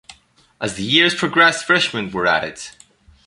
As the years progressed, freshmen were added.